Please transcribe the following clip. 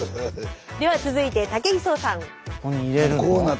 では続いて武井壮さん。